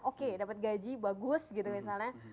oke dapat gaji bagus gitu misalnya